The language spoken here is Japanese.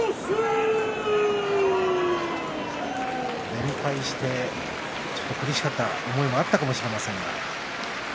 連敗してちょっと苦しかった思いもあったかもしれません。